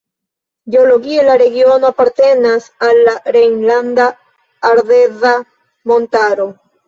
Geologie la regiono apartenas al la Rejnlanda Ardeza Montaro.